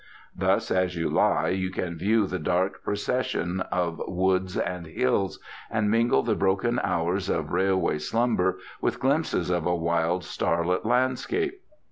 Thus, as you lie, you can view the dark procession of woods and hills, and mingle the broken hours of railway slumber with glimpses of a wild starlit landscape.